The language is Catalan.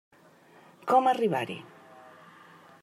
Com arribar-hi.